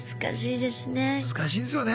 難しいですね。